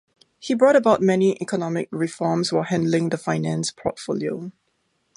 He brought about many economic reforms while handling the finance portfolio.